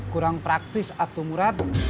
kurang praktis atu murad